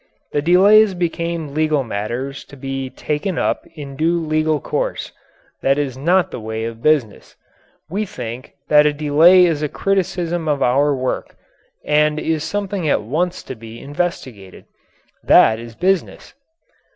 The delays became legal matters to be taken up in due legal course; that is not the way of business. We think that a delay is a criticism of our work and is something at once to be investigated. That is business.